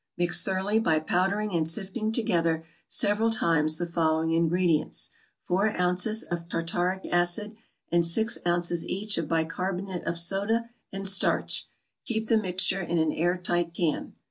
= Mix thoroughly by powdering and sifting together several times the following ingredients; four ounces of tartaric acid, and six ounces each of bi carbonate of soda, and starch. Keep the mixture in an air tight can.